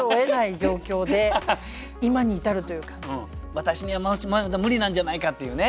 私には無理なんじゃないかっていうね。